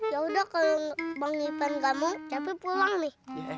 yaudah kalo bang ipran gak mau cepri pulang nih